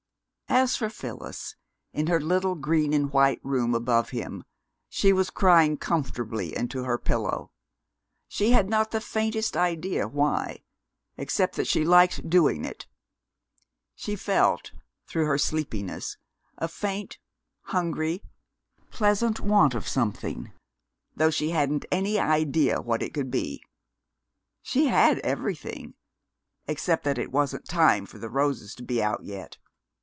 As for Phyllis, in her little green and white room above him, she was crying comfortably into her pillow. She had not the faintest idea why, except that she liked doing it. She felt, through her sleepiness, a faint, hungry, pleasant want of something, though she hadn't an idea what it could be. She had everything, except that it wasn't time for the roses to be out yet.